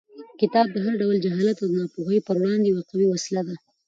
کتاب د هر ډول جهالت او ناپوهۍ پر وړاندې یوه قوي وسله ده.